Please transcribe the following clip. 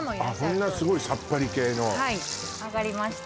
そんなすごいサッパリ系の揚がりました